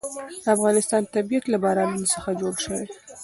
د افغانستان طبیعت له بارانونو څخه جوړ شوی دی.